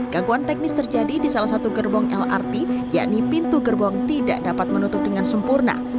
gangguan teknis terjadi di salah satu gerbong lrt yakni pintu gerbong tidak dapat menutup dengan sempurna